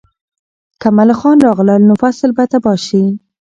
که ملخان راغلل، نو فصل به تباه شي.